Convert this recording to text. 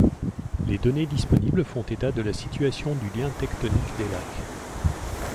Les données disponibles font état de la situation du lien tectonique des lacs.